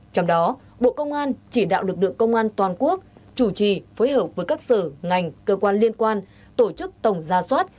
trong đó bộ công an chỉ đạo lực lượng công an toàn quốc chủ trì phối hợp với các sở ngành cơ quan liên quan tổ chức tổng gia soát